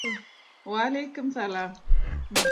Waleýkim salam